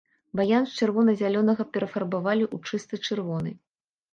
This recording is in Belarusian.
Баян з чырвона-зялёнага перафарбавалі ў чыста чырвоны.